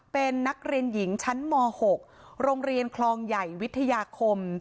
เป็นนักเรียนหญิงชั้นม๖โรงเรียนคลองใหญ่วิทยาคม